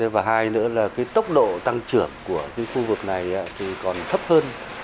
và hai nữa là tốc độ tăng trưởng của khu vực này còn thấp hơn